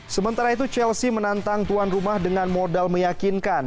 sementara itu chelsea menantang tuan rumah dengan modal meyakinkan